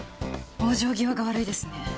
往生際が悪いですね。